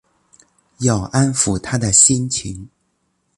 要安抚她的心情